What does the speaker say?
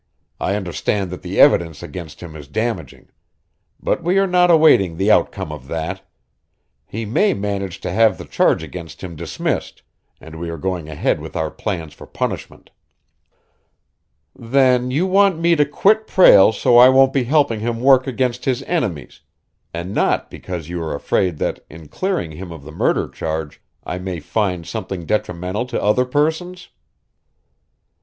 I understand that the evidence against him is damaging. But we are not awaiting the outcome of that. He may manage to have the charge against him dismissed, and we are going ahead with our plans for punishment." "Then you want me to quit Prale so I won't be helping him work against his enemies, and not because you are afraid that, in clearing him of the murder charge, I may find something detrimental to other persons?"